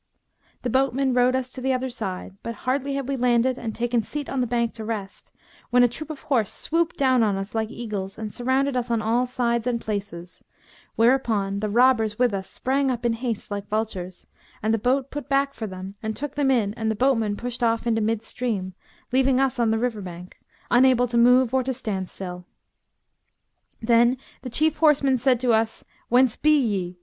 The boatman rowed us to the other side; but hardly had we landed and taken seat on the bank to rest, when a troop of horse swooped down on us like eagles and surrounded us on all sides and places, whereupon the robbers with us sprang up in haste like vultures, and the boat put back for them and took them in and the boatman pushed off into mid stream, leaving us on the river bank, unable to move or to stand still. Then the chief horseman said to us, 'Whence be ye!'